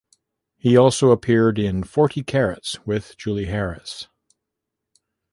He also appeared in "Forty Carats" with Julie Harris.